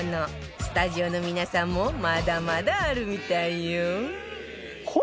スタジオの皆さんもまだまだあるみたいよ